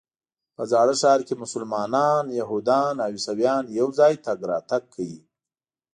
په زاړه ښار کې مسلمانان، یهودان او عیسویان یو ځای تګ راتګ کوي.